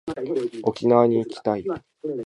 沖縄に行きたい